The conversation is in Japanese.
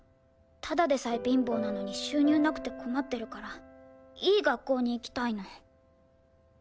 ただでさえ貧乏なのに収入なくて困ってるからいい学校に行きたいの。